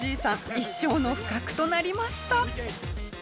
一生の不覚となりました。